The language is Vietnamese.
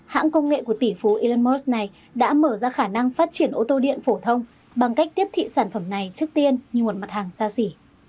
hãng công nghệ của tỷ phú elon musk này đã mở ra khả năng phát triển ô tô điện phổ thông bằng cách tiếp thị sản phẩm này trước tiên như một mặt hàng xa xỉ